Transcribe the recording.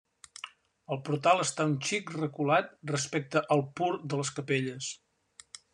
El portal està un xic reculat respecte al pur de les capelles.